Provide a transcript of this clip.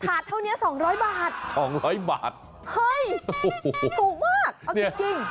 ถาดเท่านี้๒๐๐บาทเห้ยถูกมากเอาจริง